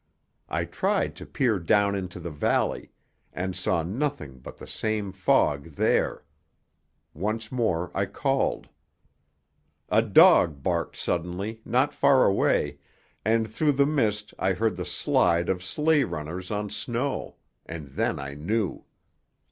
I tried to peer down into the valley, and saw nothing but the same fog there. Once more I called. A dog barked suddenly, not far away, and through the mist I heard the slide of sleigh runners on snow; and then I knew.